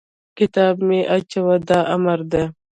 کتاب مه اچوه! دا امر دی.